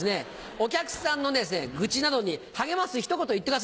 お客さんの愚痴などに励ます一言言ってください。